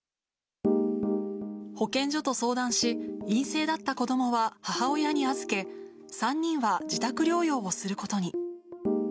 保健所と相談し、陰性だった子どもは母親に預け、３人は自宅療養をすることに。